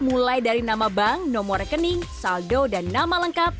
mulai dari nama bank nomor rekening saldo dan nama lengkap